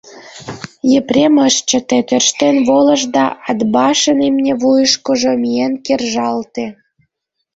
Епрем ыш чыте, тӧрштен волыш да Атбашын имне вуйышкыжо миен кержалте.